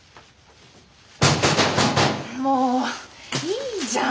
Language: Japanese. もういいじゃん。